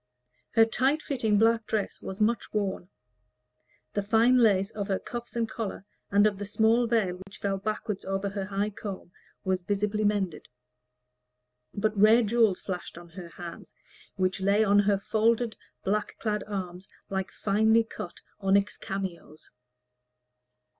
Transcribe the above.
Her tight fitting black dress was much worn; the fine lace of her cuffs and collar, and of the small veil that fell backward over her high comb, was visibly mended; but rare jewels flashed on her hands, which lay on her folded black clad arms like finely cut onyx cameos.